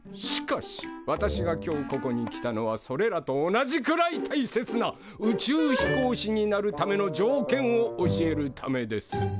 しかし私が今日ここに来たのはそれらと同じくらいたいせつな宇宙飛行士になるための条件を教えるためです。